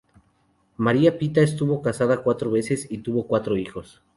María Pita estuvo casada cuatro veces y tuvo cuatro hijos.